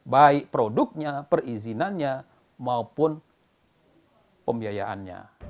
baik produknya perizinannya maupun pembiayaannya